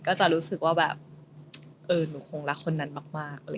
ก็จะรู้สึกว่าแบบหนูคงรักคนนั้นมาก